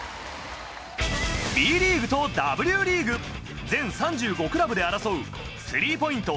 ＢリーグとＷリーグ、全３５クラブで争う、スリーポイント